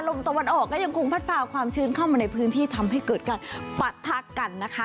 ตะวันออกก็ยังคงพัดพาความชื้นเข้ามาในพื้นที่ทำให้เกิดการปะทะกันนะคะ